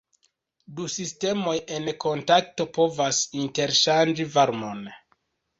Du sistemoj en kontakto povas interŝanĝi varmon.